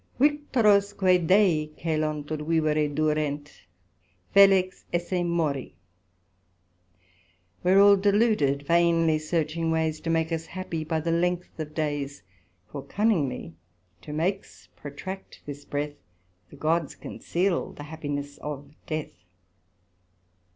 Victurosque Dei celant ut vivere durent. Felix esse mori. We're all deluded, vainly searching ways To make us happy by the length of days; For cunningly to make's protract this breath, The Gods conceal the happiness of Death.